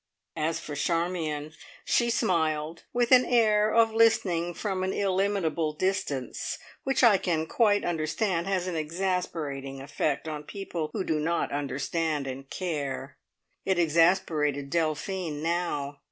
As for Charmion, she smiled, with an air of listening from an illimitable distance, which I can quite understand has an exasperating effect on people who do not understand and care. It exasperated Delphine now.